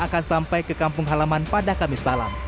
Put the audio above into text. akan sampai ke kampung halaman pada kamis malam